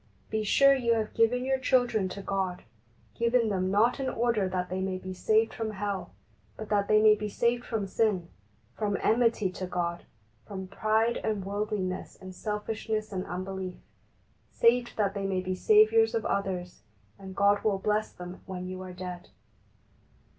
Be sure you have given your children to God — given them not in order that they may be saved from hell, but that they may be saved from sin, from enmity to God, from pride and worldliness and selfishness and unbelief, saved that they may be saviours of others, and God will bless them when you are dead.